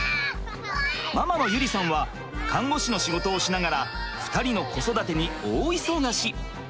ママの優里さんは看護師の仕事をしながら２人の子育てに大忙し。